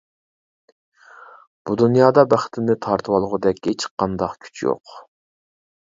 بۇ دۇنيادا بەختىمنى تارتىۋالغۇدەك ھېچقانداق كۈچ يوق.